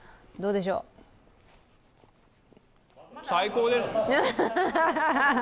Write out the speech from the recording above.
最高です！